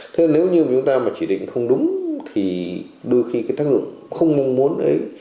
thế nếu như chúng ta mà chỉ định không đúng thì đôi khi cái tác dụng không mong muốn ấy